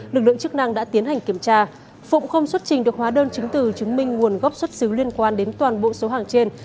lực lượng chức năng đã tiến hành kiểm tra phụng không xuất trình được hóa đơn chứng từ chứng minh nguồn gốc xuất xứ liên quan đến toàn bộ số hàng trên